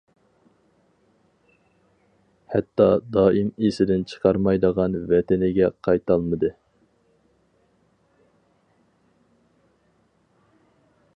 ھەتتا دائىم ئېسىدىن چىقارمايدىغان ۋەتىنىگە قايتالمىدى.